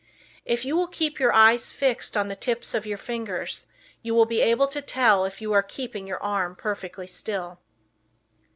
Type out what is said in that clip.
If you will keep your eyes fixed on the tips of the fingers you will be able to tell if you are keeping your arm perfectly still.